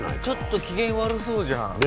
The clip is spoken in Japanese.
ちょっと機嫌悪そうじゃん。